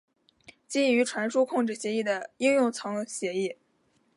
基于传输控制协议的应用层协议。